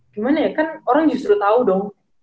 gimana ya kan orang justru tahu dong